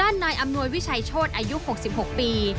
นายอำนวยวิชัยโชธอายุ๖๖ปี